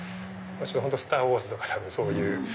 『スター・ウォーズ』とか多分そういう。